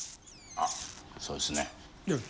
あそうですね。